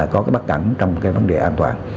có cái bắt cắn trong cái vấn đề an toàn